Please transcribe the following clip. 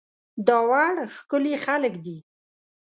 داوړ ښکلي خلک دي